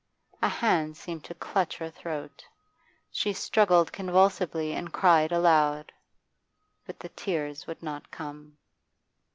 A hand seemed to clutch her throat, she struggled convulsively and cried aloud. But the tears would not come.